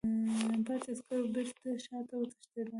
پاتې عسکر بېرته شاته وتښتېدل.